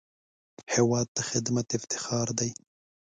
هېواد ته خدمت افتخار دی